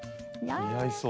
似合いそう。